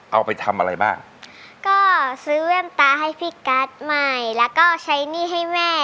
เอาไปทำอะไรบ้างก็ซื้อแว่นตาให้พี่กัสใหม่แล้วก็ใช้หนี้ให้แม่